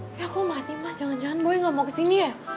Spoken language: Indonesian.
hah ya kok mati mas jangan jangan boy gak mau kesini ya